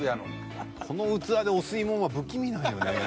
この器でお吸いもんは不気味なんよね。